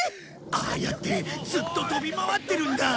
ああやってずっと飛び回ってるんだ！